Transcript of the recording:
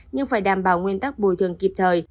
nhưng phải đảm bảo nguyên tắc bồi thường kịp thời